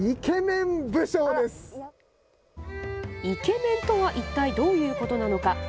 イケメンとは一体どういうことなのか。